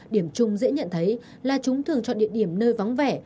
điểm chung dễ nhận thấy là chúng thường chọn địa điểm nơi vắng vẻ